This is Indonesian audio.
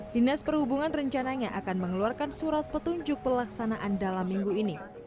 dinas perhubungan rencananya akan mengeluarkan surat petunjuk pelaksanaan dalam minggu ini